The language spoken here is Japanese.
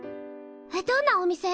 えっどんなお店？